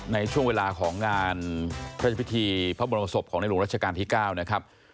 ในช่วงเวลาของงานพระพิธีพระบรมศพของในหลวงรัชกาลที่๙นะครับ